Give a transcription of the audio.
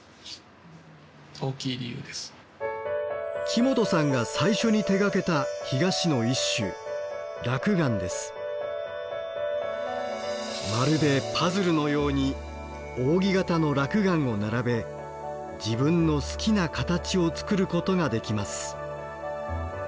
木本さんが最初に手がけた干菓子の一種まるでパズルのように扇形の落雁を並べ自分の好きな形を作ることができます。